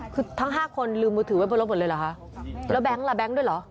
คือทั้งห้าคนลืมมือถือไว้บนรถหมดเลยเหรอคะแล้วแก๊งล่ะแบงค์ด้วยเหรอ